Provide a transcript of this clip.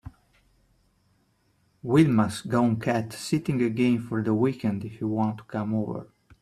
Wilma’s gone cat sitting again for the weekend if you want to come over.